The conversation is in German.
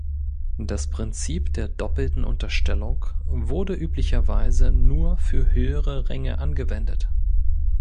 Das Prinzip der doppelten Unterstellung wurde üblicherweise nur für höhere Ränge angewendet.